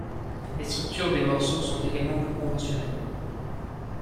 Les structures des morceaux sont également plus conventionnelles.